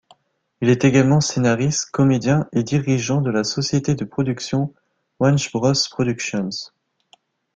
Il est également scénariste, comédien et dirigeant de la société de production Wajnbrosse Productions.